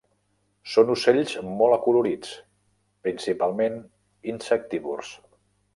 Són ocells molt acolorits, principalment insectívors.